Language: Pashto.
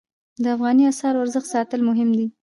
د افغانۍ اسعارو ارزښت ساتل مهم دي